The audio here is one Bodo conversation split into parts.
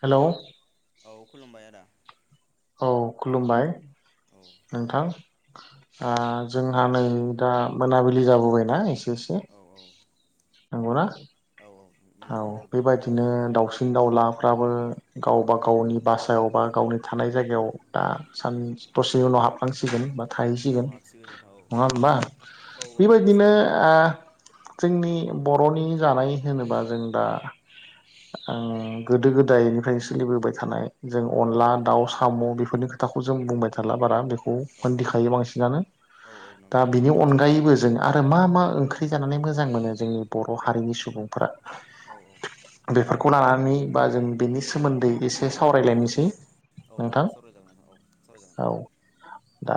हेल' औ खुलुमबाय आदा औ खुलुमबाय औ नोंथां ओ जोंहा नै दा मोनाबिलि जाबोबायना एसे। एसे औ [unintelligible] नंगौना। औ बेबायदिनो दाउसिन दाउला फ्राबो गावबा गावनि भासायाव बा गावनि थानाय जायगायाव दा सान दसेनि उनाव हाबनांसिगोन बा औ थाहैसिगोन हाबसिगोन नोंथां नङा होमबा औ औ बेबायदिनो हाबसिगोन औ ओ। जोंनि बर'नि जानाय होनोबा जों दा गोदो गोदायनिफ्रायनो सोलिबोबाय थानाय जों औ अनला दाउ साम बेफोरनि खोथाखौ जों बुंबाय थाला बारा बे औ मोनथिखायो बांसिनानो औ औ नंगौ दा बिनि नोंथां मिथिखायो अनगायैबो जों आरो मा मा ओं ओंख्रि जानानै मोजां मोनो जोंनि बर' हारिनि सुबुंफ्रा औ बेफोरखौ लानानै बा जों बेनि सोमोन्दै एसे सावरायलायनोसै औ औ नोंथां सावरायजागोन औ सावरायजागोन। औ दा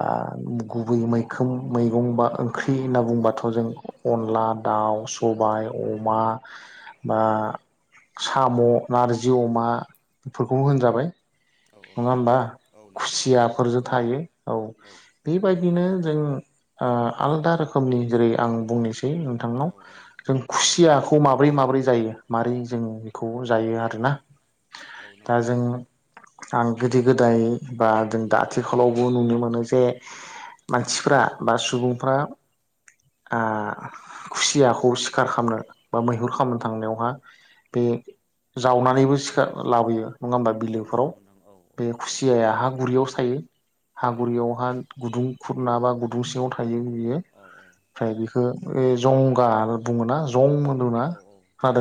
गुबै मैखोम मैगं बा ओंख्रि होनना बुंबाथ जों अनला, दाउ, सबाय, अमा बा साम नारजि अमा बेफोरखौबो होनजाबाय। औ औ नङा होमबा औ नंगौ नोंथां खुसियाफोरजों थायो औ बेबायदि। बिदिनो जों उम आलदा रोखोमनि जेरै आं बुंनोसै नोंथांनाव औ जों खुसिया खौ माब्रै माब्रै जायो मारै जों बेखौ जायो औ आरोना औ नंगौ दा जों नोंथां आं गोदो गोदाय बा जों दा आथिखालावबो नुनो मोनो जे मानसिफ्रा बा सुबुंफ्रा ओ खुसियाखौ सिखार खालामनो बा मैहुर खामानो थांनायावहा बे जावनानैबो लाबोयो नङा होमबा औ बिलोफोराव नंगौ नोंथां औ बे खुसिया हा गुरियाव थायो हा औ गुरियावहा गुदुं खुरना बा गुदुं सिङाव थायो बियो। औ फ्राय बि खो जंगाल बुङोना जं औ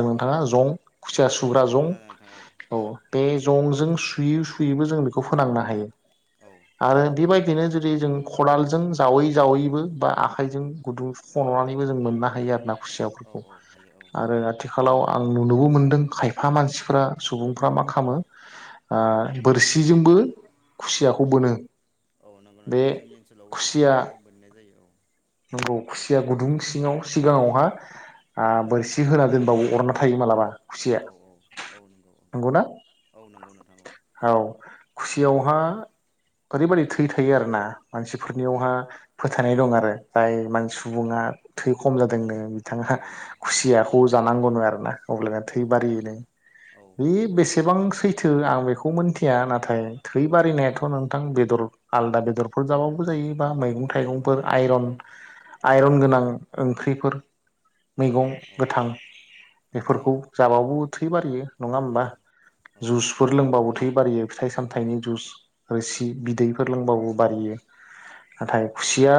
औ जों नोंथाङा औ जं खुसिया औ सुग्रा औ जं खोनादों नोंथां औ खोनादों बे जंजों सुयै सुयैबो जों बेखौ फोनांनो हायो। औ आरो हायो नोंथां हायो बेबायदिनो जुदि जों खदाल जों जावै जावैबो बा आखाइजों गुदुं खननानैबो जों मोननो हायो आरो ना। औ खुसियाफोरखौ औ हायो औ आरो आथिखालाव आं नुनोबो मोनदों खायफा मानसिफ्रा सुबुंफ्रा मा खालामो ओ बोरसिजोंबो खुसियाखौ बोनो। औ नंगौ बे नोंथां जोंनि ओनसोलावबो खुसिया बेफोरबायदिनो मोननाय जायो औ। नंगौ खुसिया गुदुं औ सिङाव सिगाङावहा ओ बोरसि होना दोनबाबो अरनना थायो मालाबा। खुसिया औ औ औ नंगौ नंगौना औ औ नंगौ नोंथां औ। खुसियावहा ओरैबायाददि थै थायो आरोना मानसि औ फोरनियावहा फोथायनाय थायो दं आरो जाय औ मान सुबुङा थै खम जादोंनो बिथांहा औ खुसिया खौ जानांगौ नो आरो ना। अब्लाना थै बारियोनो औ बि बेसे एसेबां सैथो आं बेखौ मोनथिया नाथाय थै बारिनायाथ नोंथां बेदर आलादा बेदरफोर जाबाबो जायो। बा मैगं औ औ थाइगंफोर जायो नोंथां आइरन औ आइरन गोनां ओंख्रिफोर मैगं औ गोथां औ जायो बेफोरखौ जाबाबो थै बारियो। नङा औ होमबा औ जुसफोर लोंबाबो थै बारियो। फिथाइ सामथाइनि जुस रोसि बिदैफोर लोंबाबो बारियो। नाथाय खुसिया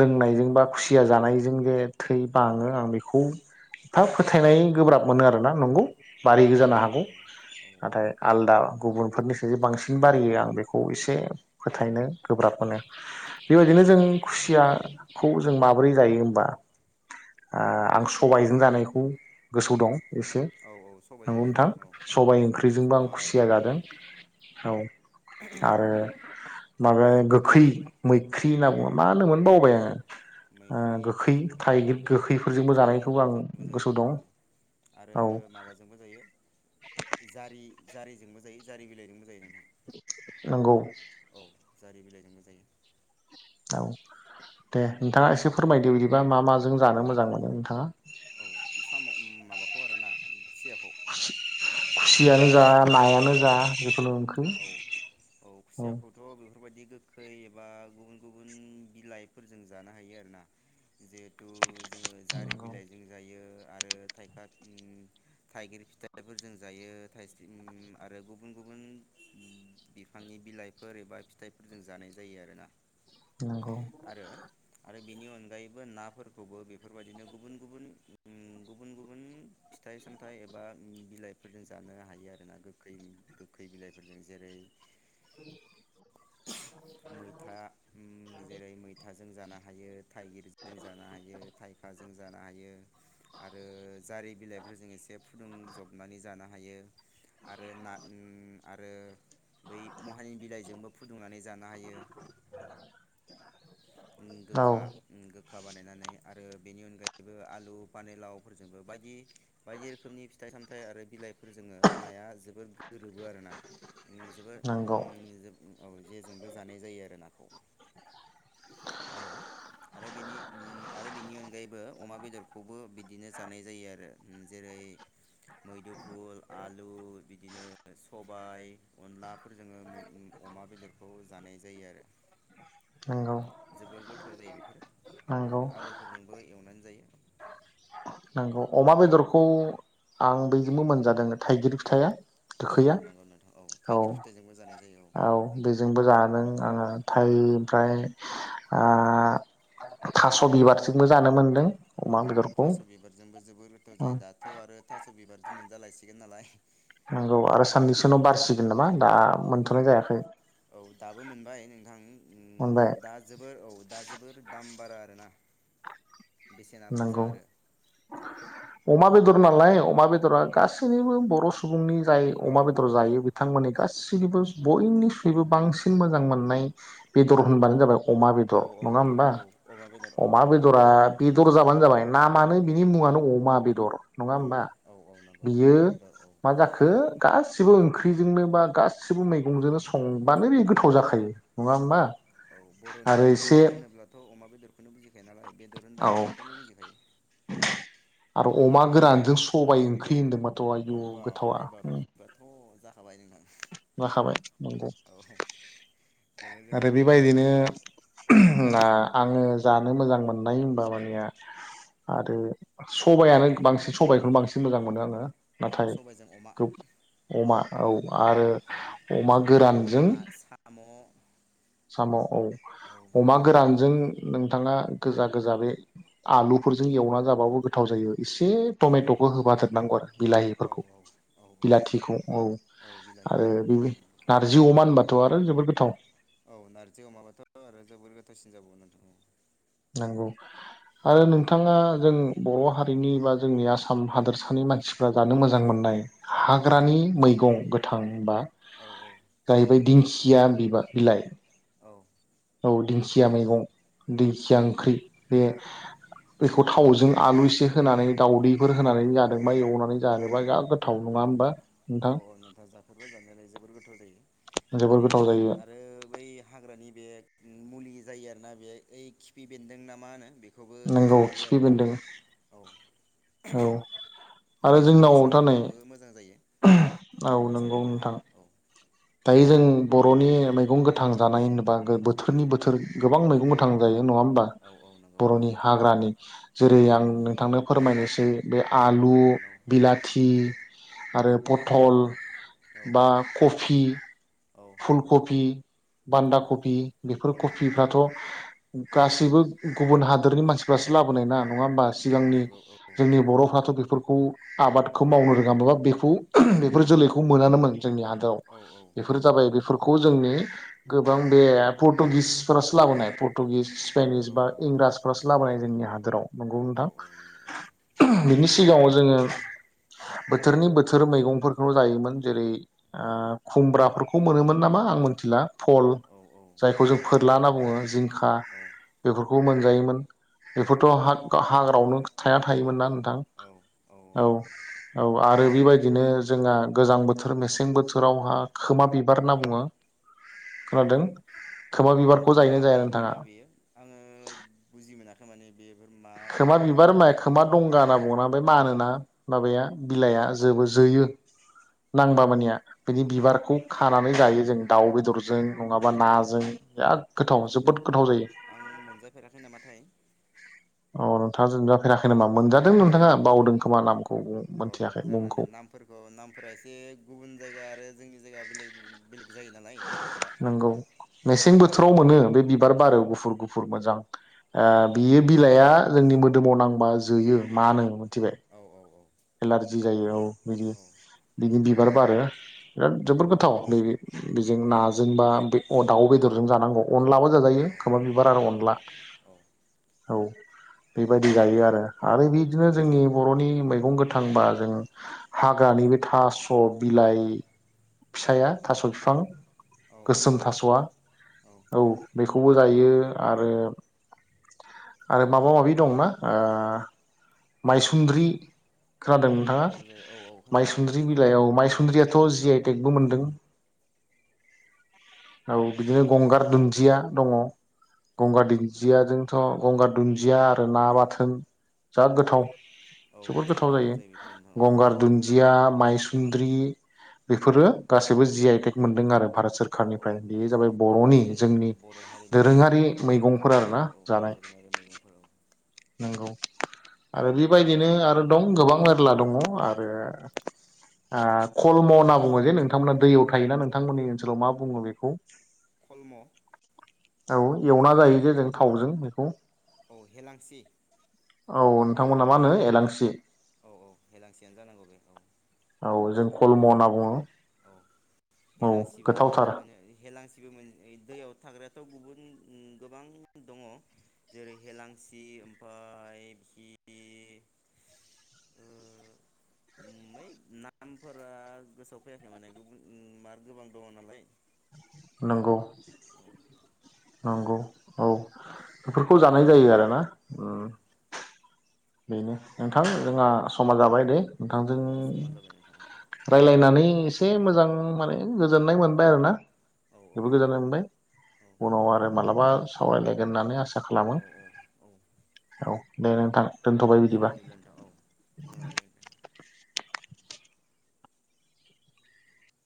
लोंनायजों औ बा खुसिया जानाय बेजों जे थै बाङो आं बेखौ एफा फोथायनाय गोब्राब मोनो आरोना नंगौ बारियो औ जानो नंगौ हागौ। औ नाथाय आलदा गुबुनफोरनिसाय जे बांसिन बारायो आं बेखौ एसे फोथायनो गोब्राब मोनो। औ बेबायदिनो जों खुसिया खौ जों माबोरै जायो होमबा। ओ आं सबायजों जानायखौ गोसोयाव दं एसे औ औ सबाइजों नंगौ जायो नोंथां औ सबाय औ ओंख्रिजोंबो आं सबाय खुसिया जादों औ औ आरो माबा गोखै मैख्रि होनना बुङो मा होनोमोन बाव ओ औ मैख्रि गोखै ओ थाइगिर ओरै गोखैफोरजोंबो जानायखौबो आं थाइगिरफोरजोंबो जायो गोसोआव दं औ आरो औ माबाजोंबो जायो जारि जारिजोंबो जायो जारि बिलाइजोंबो जायो नोंथां नंगौ औ जारि बिलाइजोंबो जायो औ दे नोंथाङा एसे फोरमायदो बिदि मा मा माजों औ जानो मोजां मोनो नोंथाङा औ साम' माबाखौ आरोना खुसियाखौ खुसियानो जा नायानो जा जिखुनु ओंख्रि औ औ खुसियाखौथ बेफोरबायदि गोखै एबा गुबुन गुबुन बिलाइफोरजों जानो हायो आरो ना जिहेथु जोङो जारि नंगौ बिलाइजों जायो आरो थायफा ओम थाइगिर फिथाइफोरजों जायो थाइस्रि आरो गुबुन गुबुन बिफांनि बिलाइफोर एबा फिथाइफोरजों जानाय जायो आरोना नंगौ बिनि अनगायैबो नाफोरखौबो बेफोरबायदिनो गुबुन गुबुन ओ गुबुन गुबुन फिथाइ सामथाइ एबा बिलाइफोरजों जानो हायो आरो गोखै गोखै बिलाइ जेरै [inaudible] मैथा ओ जेरै मैथाजो जानो हायो थाइगिरजों जानो हायो थाइखाजों जानो हायो आरो जारि बिलाइफोरजों एसे फुदुं जबनानै जानो हायो आरो ना उम आरो बै महानिनि बिलाइजोंबो फुदुंनानै जानो हायो [inaudible] ओम गोखा ओम गो गोखा बानायनानै आरो बेनि अनगायैबो आलु फानिलावफोरजोंबो बायदि बायदि रोखोमनि फिथाइ सामथाइ आरो बिलाइफोरजोंङो नाया जोबोद गोरोबो आरोना ओ जोबोद नंगौ ओम जो औ जेजोंबो जानाय जायो आरो नाखौ आरो आरो बेनि ओ आरो बेनि अनगायैबो अमा बेदरखौबो बिदिनो जानाय जायो आरो जेरै मैदुफुल आलु बिदिनो सबाय अनलाफोरजोङो अमा बेदरखौ जानाय जायो आरो नंगौ जोबोर गोथाव जायो बेफोरो नंगौ आरो आलुफोरजोंबो एवनानै जायो नोंगौ अमा बेदरखौ आं बैजोंबो मोनजादों थाइगिर फिथाइया औ औ गोखैया नंगौ नोंथां औ थाइगिर फिथाइजोंबो जानाय जायो औ बेजोंबो जादों आङो नाथाय ओमफ्राय ओ थास बिबारथिंबो जानो मोनदों अमा औ औ बेदर थास बिबारजोंबो जोबोर गोथाव जायो दाथ आरो थास स बिबारजों मोनजालायसिगोन नालाय नोंगौ आरो साननैसो‌ दैज्लां उनाव बोथोर बारसिगोन मोनफैबाय नामा औ दा औ मोनथनाय जायाखै औ दाबो मोनबाय नोंथां उम मोनबाय दा जोबोर औ दा जोबोर दाम बारा आरोना बेसेना बुरजा नंगौ आरो औ अमा बेदर नालाय अमा बेदरा गासैनिबो बर स सुबुंनि जाय औ अमा बेदर जायो बिथांमोननि गासिनिबो बयनिफ्रायबो बांसिन मोजां मोननाय बेदर औ होनबानो जाबाय अमा बेदर औ औ नङा होमबा औ अमा बेदर औ अमा बयनि बेदरा औ जाबानो जाबाय नामानो बिनि मुङानो अमा बेदर नङा उम होमबा औ औ नंगौ बियो अमा बेदर औ मा जाखो गासिबोओं ख्रिजोंनो बा गासिबो मैं गंजों संबानो बे गोथाव औ जाखायो नङा होमबा औ बर'नि आरो एसे बेदर होनोब्लाथ' अमा बेदरखौनो बुजिखायो नालाय बेदर होनबा औ अमाखौनो बुजिखायो आरो अमा गोरानजों सबाय ओंख्रि होन्दोंमोन औ बाबब्रेबाब बिबाथ जा जाखाबाय नोंगौ औ जोबोर आरो गोथाव जायो बेथ' बेबायदिनो ना आङो जानो मोजां मोननाय होमबा मानिया आरो सबाइयानो बांसि‌ सबाइखौनो बांसिन मोजां मोनो आङो औ नाथाय सबायजों अमा गोब अमा औ आरो औ अमा सबाय गोरानजों अमा साम' औ साम औ अमा गोरानजों नोंथाङा गोजा गोजा बे आलुफोरजों एवना जाबाबो गोथाव जायो एसे औ नंगौ टमेटबो औ होफादेरनांगौ आरो औ बिलाहिफोरखौ औ औ बिलाथिखौ औ आरो बिलाहिखौ बेवि होफादेरनांगौ नारजि अमा होनबाथ आरो जोबोर गोथाव औ औ नारजि अमाबाथ' आरो जोबोर गोथावसिन जाबावो नोंथां नोंगौ आरो नोंथाङा जों बर' हारिनि बा जोंनि आसाम हादोरसानि मानसिफ्रा जानो मोजां मोननाय औ हाग्रानि मैगं गोथां बा औ औ जाहैबाय दिंखि दिया बिबा बिलाइ औ औ दिंखिया मैगं दिंखिया औ ओंख्रै बे बेखौ थावजों आलु एसे होनानै दावदैफोर होनानै जादोंबा एवनानै जादोंबा जा गोथाव नङा होनबा औ औ नोंथा जाफेरबाय जानायालाय जोबोर गोथाव जायो। जोबोर आरो गोथाव बै जायो आरो बै हाग्रानि बे मुलि जायो आरोना बे ओइ खिफि बेन्दों ना मा होनो बे नोंगौ खिफिबेनदों औ औ बेयो उदै सानायफोरावबो मोजां जायो। ओम औ उदै नंगौ सानायफ्रा नोंथां हामो औ दायो जों बरनि मैगं गोथां जानाय होनोबा बोथोरनि बोथोर गोबां मैगं गोथां जायो। नङा होमबा औ औ नंगौ औ बर नि हाग्रानि जेरै औ आं नोंथांनो फोरमायनो बे बे औ आलु फोरमायजागोन औ बिलाथि आरो पथल औ बा ख बि औ फुल कबि बान्दा कबि बेफोर औ कफिफ्राथ गासैबो गुबुन हादोरनि मानसिफोरासो लाबोनाय ना नङा होमबा औ सिगांनि नंगौ औ जोंनि बरफ्राथ बे फोरखौ आबादखौ मावनो रोङा माबा बेखौ बेफोर जोलैखौ मोनानोमोन जोंनि हा औ औ बेफोर औ जाबाय नंगौ बेफोरखौ जोंनि गोबां बे पर्टुगिसफोरासो लाबोनाय पर्टुगिस साइनिस औ बा नंगौ औ इंराजफोरासो लाबोनाय जोंनि हादोराव नंगौ औ नोंथां औ नंगौ औ बिनि सि सिगाङाव जोङो बोथोरनि बोथोर मैगंफोरखौल जायोमोन जेरै खुमब्राफोरखौ मोनोमोन नामा आं मिथिला फल औ औ जायखौ जों औ फोरला मोननो होनना हागौ बुङो औ जिंखा औ बेफोर खौ मोनजायोमोन औ बेफोरथ हाग हाग्रायावनो थाया थायोमोन ना दां औ औ आरो बेबायदिनो जोंहा गोजां बोथोर मेसें बोथोराव मा खोमा बिबार होनना बुङो औ खोनादों खोमा बिबारखौ जायोना जाया नोंथाङा माबायदिबा बेयो आङो बुजि मोनाखै माने बेफोर मा खोमा बिबार मा होमबाय बिलाइ खोमा दंगा होनना बुंङोना बे मानोना माबाया बिलाइआ जोबो जोयो नांबा मानिया बिनि औ बिबारखौ खानानै जायो जों दाउ बेदरजों नङाबा औ नाजों बिराद गोथाव औ जोबोद गोथाव जायो आं मोनजाफेराखै नामाथाय अ नोंथाङा जोनजाफेराखै नामा मोन औ मोनथियाखै बावदोंबो मुंखौ जानानै नामफोरखौ नामफोरा एसे गुबुन जायगा आरो जोंनि जायगा बेलेग बेलेग जायो नालाय नामफोरा नंगौ औ मेसें बोथोराव मोनो बे बिबार बारो गुफुर गुफुर मोजां औ ओ बियो बिलाइआ जोंनि मोदोमाव नांबा जोयो मानो थिबाय औ औ एल आर जि बिदि जायो औ औ बिदि बिबार बारो बिराद जोबोर गोथाव नैबे बिजों औ नाजों बा बे अ दाउ बेदरजों जानांगौ अनलाबो जाजायो खोमा बिबार आरो अनला औ बेबायदि जायो आरो आरो बिदिनो जोंनि बर'नि मैगं गोथां बा जों हाग्रानि बो थास' बिलाइ फिसाया थास' बिफां औ गोसोम थास'आ औ बेखौ खौबो जायो आरो आरो माबा माबि दंना ओ माइसुन्द्रि औ खोनादों नोंथाङा? बेफोरखौबो जायो औ औ खोनादों माइसुन्द्रि बिलाइयाव माइसुन्द्रियाथ' जि आइ टेकबो मोनदों औ बिदिनो औ गंगार दुन्दिया दङ गंगार दुन्दियाजोंथ' गंगार दुन्दिया आरो ना बाथोन जा गोथाव औ जोबोद गोथाव जायो बेफोरो नोंथां औ गंगार दुन्दिया माइसुन्द्रि बेफोरो गासैबो जि आइ टेक मोनदों आरो भारत औ औ सोररखारनिफ्राय बेयो जाबाय बरनि जि आइ टेक जोंनि बर' हारिनि दोरोङारि मैगंफोर आरो दोरोङारि ना औ जानाय दोरोङारि मैगंफोर औ नंगौ आरो बेबायदिनो आरो दं गोबां मेरला दङ आरो ओ कलम' होनना बुङो जे नोंथांमोना दैयाव थायोना नोंथांमोननि ओनसोलाव मा बुङो बेखौ? खलम' औ एवना जायो जे जों थावजों बेखौ औ हेलांसि औ नोंथांमोना मा होनो एलांसि औ औ हेलांसियानो जानांगौ बे औ औ जों कलम' होनना बुङो। औ औ हेलांसिबो होनो गोथावथार ओ नो हेलांसिबो मोन दैयाव थाग्रायाथ' बुहुथ उम उम गोबां दङ जेरै- हेेलांसि ओमफाय खि है नामफोरा गोसोआव फैयाखै माने गुबुन मार गोबां दङ नालाय नंगौ औ नंगौ औ बेफोरखौ जानाय जायो आरो ना औ उम बेनो नोंथां जोंहा समा जाबाय दे औ नोंथांजों औ समा जाबाय नोंथां औ रायलायनानै एसे मोजां माने गोजोननाय मोनबाय आरो ना औ औ जोबोद गोजोननाय मोनबाय औ उनाव आरो मालाबा सावरायलायगोन होननानै आसा खालामो औ औ औ औ दे नोंथां दे बिदिबा नोथां औ उनाव रायलायगोन दे।